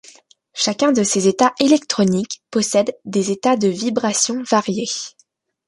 Chacun de ces états électroniques possède des états de vibration variés.